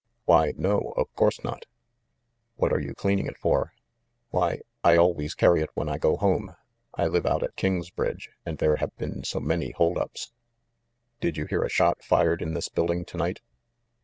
"Why, no — of course not!" "What were you cleaning it for?" "Why — I always carry it when I go home. I live out at Kingsbridge, and there have been so many hold ups—" "Did you hear a shot fired in this building to night